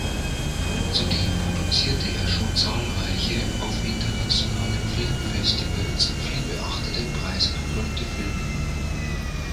Zudem produzierte er schon zahlreiche auf internationalen Filmfestivals vielbeachteten preisgekrönte Filme.